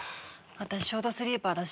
私ショートスリーパーだし。